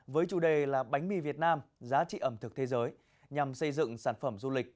với chủ đề là bánh mì việt nam giá trị ẩm thực thế giới nhằm xây dựng sản phẩm du lịch